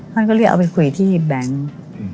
ท่านก็เรียกเอาไปคุยที่แบงค์